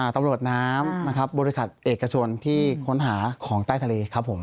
ตำรวจน้ำนะครับบริษัทเอกชนที่ค้นหาของใต้ทะเลครับผม